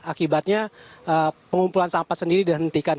akibatnya pengumpulan sampah sendiri dihentikan